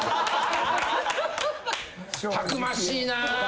たくましいな。